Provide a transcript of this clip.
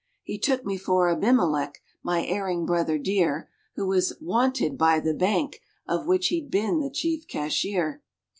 He took me for Abimelech, my erring brother dear, Who was "wanted" by the Bank of which he'd been the chief cashier.